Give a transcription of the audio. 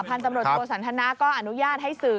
พันธมโรตบัวสันทนาก็อนุญาตให้สื่อ